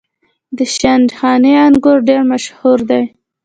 د شندخاني انګور ډیر مشهور دي.